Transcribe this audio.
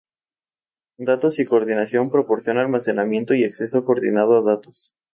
Datos y coordinación, proporciona almacenamiento y acceso coordinado a datos.